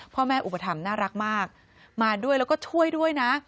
พ่อแม่อุปถัมภ์น่ารักมากมาด้วยแล้วก็ช่วยด้วยนะ